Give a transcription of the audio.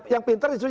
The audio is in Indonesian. yang pinter itu ya